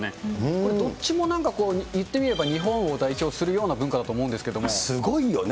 これ、どっちもなんかこう、言ってみれば日本を代表するようすごいよね。